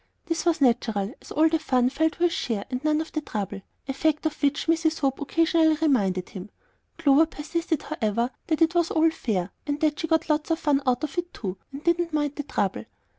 This was natural, as all the fun fell to his share and none of the trouble; a fact of which Mrs. Hope occasionally reminded him. Clover persisted, however, that it was all fair, and that she got lots of fun out of it too, and didn't mind the trouble.